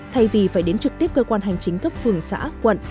thay vì phải đến trực tiếp cơ quan hành chính cấp phường xã quận